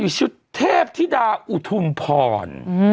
ชุดเทพธิดาอุทุมพร